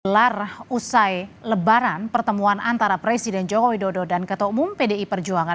lar usai lebaran pertemuan antara presiden joko widodo dan ketua umum pdi perjuangan